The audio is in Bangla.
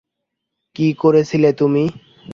কী করেছিলে তুমি?